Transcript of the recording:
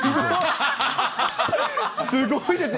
すごいですね。